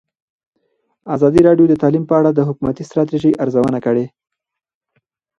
ازادي راډیو د تعلیم په اړه د حکومتي ستراتیژۍ ارزونه کړې.